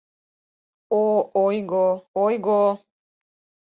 О ойго, ойго!